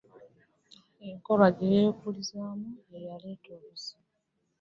Enkula gye yakuliramu ye yaleeta obuzibu.